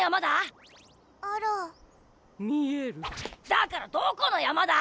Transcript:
だからどこのやまだ？